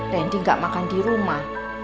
randy gak makan di rumah